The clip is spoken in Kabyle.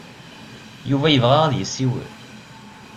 Yuba yebɣa ad yessiwel.